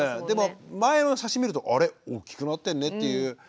でも前の写真見ると「あれ大きくなってんね」っていう。